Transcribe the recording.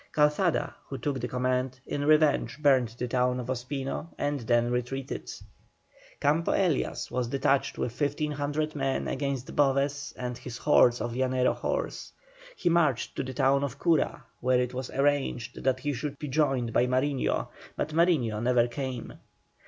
Calzada, who took the command, in revenge burned the town of Ospino and then retreated. Campo Elias was detached with 1,500 men against Boves and his hordes of Llanero horse. He marched to the town of Cura, where it was arranged that he should be joined by Mariño, but Mariño never came.